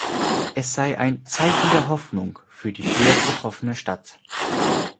Es sei ein "Zeichen der Hoffnung" für die schwer getroffene Stadt.